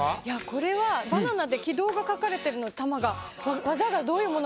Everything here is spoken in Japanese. これはバナナで軌道が描かれてる球が。